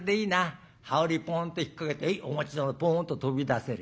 羽織ポンって引っ掛けて『へえお待ち遠』。ポンと飛び出せる。